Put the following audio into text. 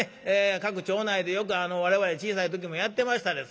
各町内でよく我々小さい時もやってましたです。